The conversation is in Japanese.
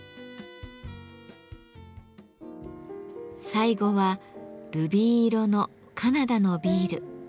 最後はルビー色のカナダのビール。